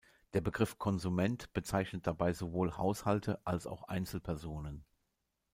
Der Begriff "Konsument" bezeichnet dabei sowohl Haushalte als auch Einzelpersonen.